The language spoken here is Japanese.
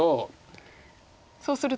そうすると。